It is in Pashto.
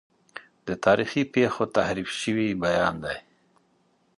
د تاریخي پیښو تحریف شوی بیان دی.